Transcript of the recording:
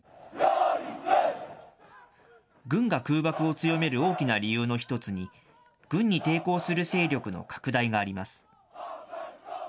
軍が空爆を強める大きな理由の一つに、軍に抵抗する勢力の拡大があります。